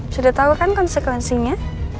sudah tahu kan konsekuensinya